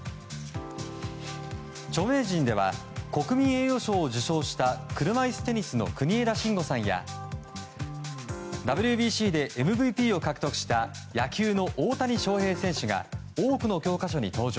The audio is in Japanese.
著名人では国民栄誉賞を受賞した車いすテニスの国枝慎吾さんやＷＢＣでＭＶＰを獲得した野球の大谷翔平選手が多くの教科書に登場。